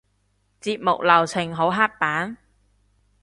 節目流程好刻板？